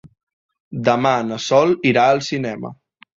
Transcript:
Demà na Sol irà al cinema.